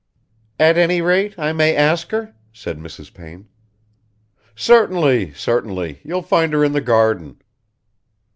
"At any rate I may ask her?" said Mrs. Payne. "Certainly, certainly you'll find her in the garden."